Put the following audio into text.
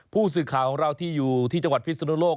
ผู้สื่อข่าวของเราที่อยู่ที่จังหวัดพิศนุโลก